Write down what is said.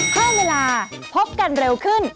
เพิ่มเวลาพบกันเร็วขึ้น